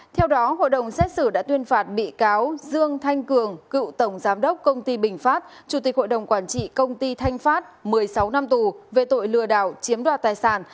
theo đó hội đồng xét xử đã tuyên phạt bị cáo dương thanh cường cựu tổng giám đốc công ty bình phát chủ tịch hội đồng quản trị công ty thanh phát một mươi sáu năm tù về tội lừa đảo chiếm đoạt tài sản